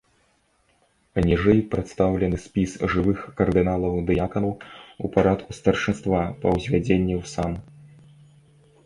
Ніжэй прадстаўлены спіс жывых кардыналаў-дыяканаў у парадку старшынства па ўзвядзенні ў сан.